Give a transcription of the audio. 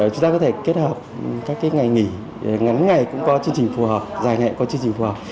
chúng ta có thể kết hợp các ngày nghỉ ngắn ngày cũng có chương trình phù hợp dài ngày có chương trình phù hợp